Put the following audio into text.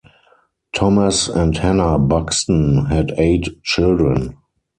Thomas and Hannah Buxton had eight children.